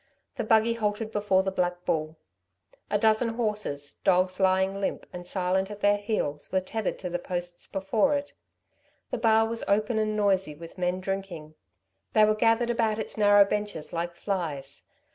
The buggy halted before the Black Bull. A dozen horses, dogs lying limp and silent at their heels, were tethered to the posts before it. The bar was open and noisy with men drinking. They were gathered about its narrow benches like flies.